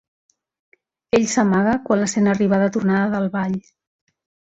Ell s'amaga quan la sent arribar de tornada del ball.